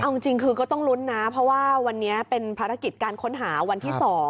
เอาจริงคือก็ต้องลุ้นนะเพราะว่าวันนี้เป็นภารกิจการค้นหาวันที่๒